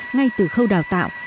ngay từ khâu đào tạo